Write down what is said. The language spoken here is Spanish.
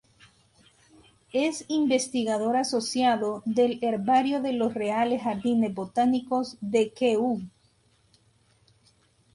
Es investigador asociado del Herbario de los Reales Jardines Botánicos de Kew.